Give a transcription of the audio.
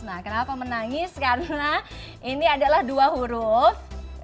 nah kenapa menangis karena ini adalah dua huruf